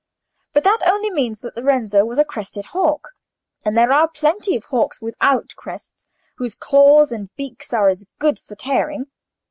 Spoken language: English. But that only means that Lorenzo was a crested hawk, and there are plenty of hawks without crests whose claws and beaks are as good for tearing.